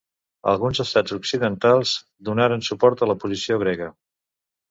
Alguns estats occidentals donaren suport a la posició grega.